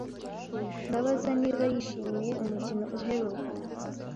Ndabaza niba yishimiye umukino uheruka.